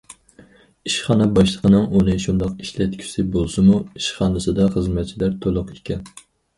ئىشخانا باشلىقىنىڭ ئۇنى شۇنداق ئىشلەتكۈسى بولسىمۇ ئىشخانىسىدا خىزمەتچىلەر تۇلۇق ئىكەن.